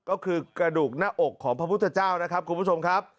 ก็คือกระดูกหน้าอกของพระพุทธเจ้านะครับคุณผู้ชมครับ